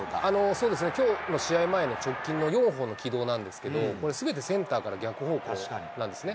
そうですね、きょうの試合前の直近の４本の軌道なんですけれども、これ、すべてセンターから逆方向なんですね。